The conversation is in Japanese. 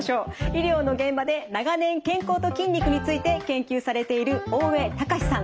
医療の現場で長年健康と筋肉について研究されている大江隆史さん。